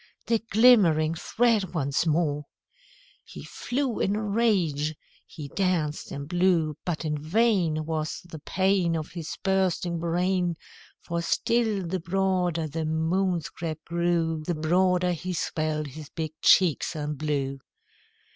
The glimmering thread once more! He flew in a rage he danced and blew; But in vain Was the pain Of his bursting brain; For still the broader the Moon scrap grew, The broader he swelled his big cheeks and blew.